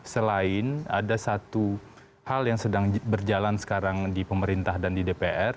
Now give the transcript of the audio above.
selain ada satu hal yang sedang berjalan sekarang di pemerintah dan di dpr